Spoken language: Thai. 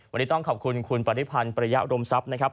วันนี้ต้องขอบคุณคุณปริพันธ์ปริยะอุดมทรัพย์นะครับ